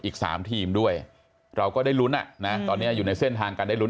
อีก๓ทีมด้วยเราก็ได้ลุ้นตอนนี้อยู่ในเส้นทางการได้ลุ้น